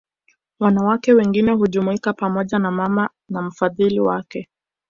Wanawake wengine hujumuika pamoja na mama na mfadhili wake